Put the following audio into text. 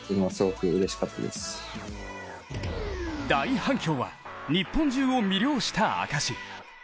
大反響は日本中を魅了した証し。